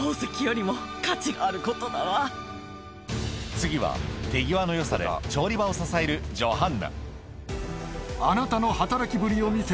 次は手際のよさで調理場を支えるアハハハ！